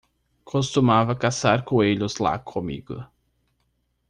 Costumava caçar coelhos lá comigo.